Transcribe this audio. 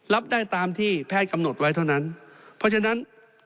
รับได้ตามที่แพทย์กำหนดไว้เท่านั้นเพราะฉะนั้น